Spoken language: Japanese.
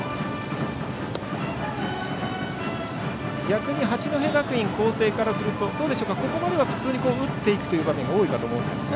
逆に八戸学院光星からするとここまでは普通に打っていく場面が多いかと思いますが。